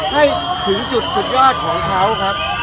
ให้ถึงจุดสุดยอดของเขาครับ